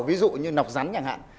ví dụ như nọc rắn chẳng hạn